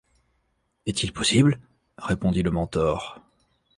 Est-il possible?... répondit le mentor.